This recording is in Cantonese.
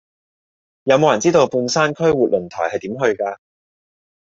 有無人知道半山區活倫台係點去㗎